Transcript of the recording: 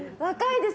若い！